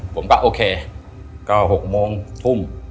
ผมก็โอเคก็๖โมงทุ่ม